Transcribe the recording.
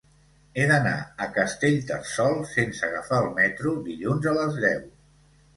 He d'anar a Castellterçol sense agafar el metro dilluns a les deu.